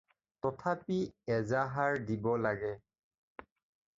তথাপি এজাহাৰ দিব লাগে।